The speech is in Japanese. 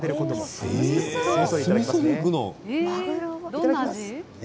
どんな味？